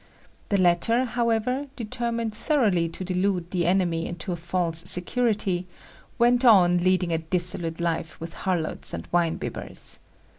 The latter, however, determined thoroughly to delude the enemy into a false security, went on leading a dissolute life with harlots and winebibbers.